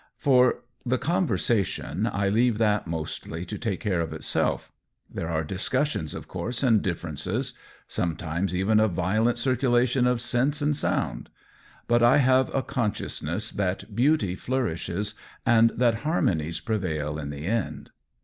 For the conversation, I leave that mostly to take care of itself. There are discussions, of course, and differences — sometimes even a violent circulation of sense and sound ; but I have a consciousness that beauty flour ishes and that harmonies prevail in the end.